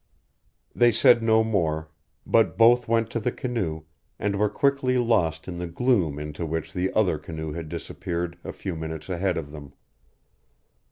They said no more, but both went to the canoe, and were quickly lost in the gloom into which the other canoe had disappeared a few minutes ahead of them.